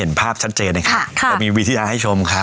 เป็นความเชื่อว่าหลวงพ่อพระนอนนั้นได้ให้กำลังใจในการที่จะสร้างสิ่งที่ดีงาม